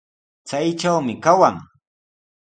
Chaytrawmi kawan.